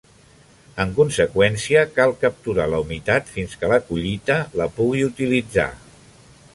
En conseqüència, cal capturar la humitat fins que la collita la pugui utilitzar.